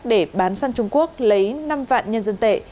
để bán sang trung quốc lấy năm vạn nhân dân tệ